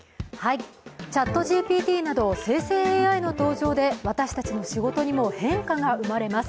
ＣｈａｔＧＰＴなど生成ＡＩの登場で私たちの仕事にも変化が生まれます。